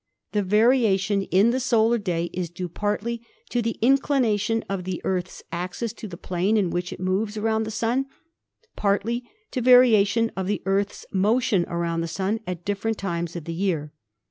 "The variation in the solar day is due partly to the in clination of the Earth's axis to the plane in which it moves around the Sun, partly to variation of the Earth's motion round the Sun at different times of the year.